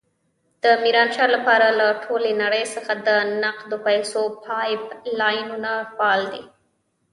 د ميرانشاه لپاره له ټولې نړۍ څخه د نقدو پيسو پایپ لاینونه فعال دي.